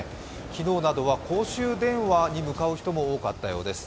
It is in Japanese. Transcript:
昨日などは公衆電話に向かう人も多かったようです。